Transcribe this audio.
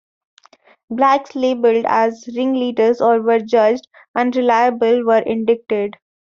Blacks labeled as ringleaders or who were judged "unreliable" were indicted.